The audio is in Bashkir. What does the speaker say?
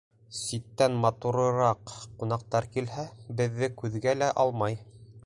Ситтән матурыраҡ ҡунаҡтар килһә, беҙҙе күҙгә лә алмай.